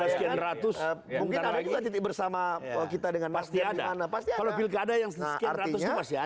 sekian ratus mungkin ada juga titik bersama kita dengan pasti ada pasti ada yang artinya